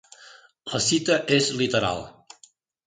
La cita és literal.